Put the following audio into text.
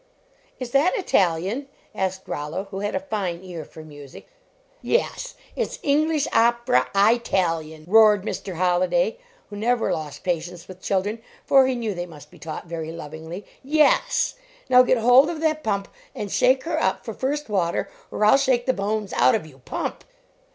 "Is that Italian?" asked Rollo, who had a fine ear for music. "Yes; it s English opera Eyetalian," roared Mr. Holliday, who never lost patience with children, for he knew they must be taught very lovingly. "Yes! Now get hold of that pump and shake her up for first water, or I ll shake the bones out of you. Pump!"